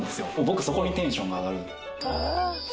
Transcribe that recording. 僕そこにテンションが上がる